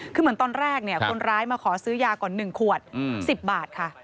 คือเหมือนตอนแรกคนร้ายมาขอซื้อยาก่อน๑ขวด๑๐บาทค่ะ